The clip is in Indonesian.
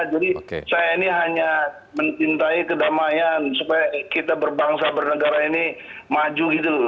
jadi saya ini hanya mencintai kedamaian supaya kita berbangsa bernegara ini maju gitu loh